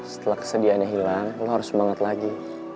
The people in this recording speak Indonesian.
setelah kesediaannya hilang lo harus semangat lagi